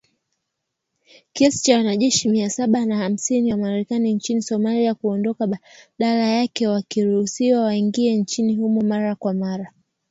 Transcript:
Kiasi cha wanajeshi mia saba na hamsini wa Marekani nchini Somalia kuondoka badala yake wakiruhusiwa waingie nchini humo mara kwa mara.